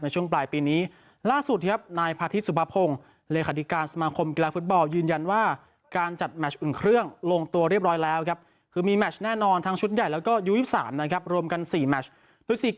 จบร่วงที่เสมอ๑ต่อน๑นะครับ